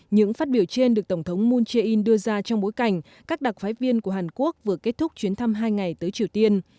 những phát biểu trên được tổng thống moon jae in đưa ra trong bối cảnh các đặc phái viên của hàn quốc vừa kết thúc chuyến thăm hai ngày tới triều tiên